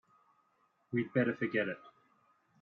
We'd better forget it.